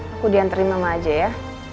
aku dianterin sama aja ya